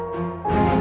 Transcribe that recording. cintanya ada di chatnya